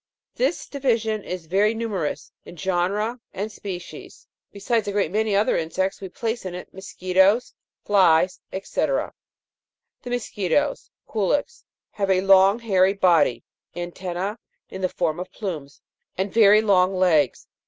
This division is very numerous both in genera and species ; besides a great many other insects, we place in it mosquitoes, flies, &c. 16. The mosquitoes Culex (fig 53) have a long hairy body, antenna in form of plumes, and very long legs.